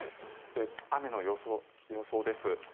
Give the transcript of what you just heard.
雨の予想です。